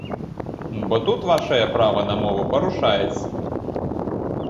Бо тут вашае права на мову парушаецца.